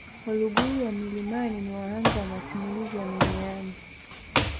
Waluguru wa milimani ni wahanga wa masimulizi ya mumiani